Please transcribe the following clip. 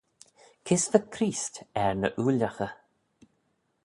Kys va Creest er ny ooillaghey?